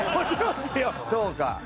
そうか。